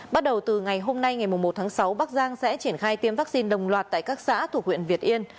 bắt đầu từ ngày hôm nay ngày một tháng sáu bắc giang sẽ triển khai tiêm vaccine đồng loạt tại các xã thuộc huyện việt yên